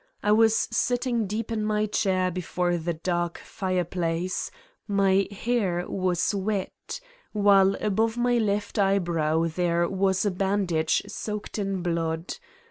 I was sitting deep in my chair before the dark fireplace, my hair was wet, while above my lef| eyebrow there was a bandage soaked in blood.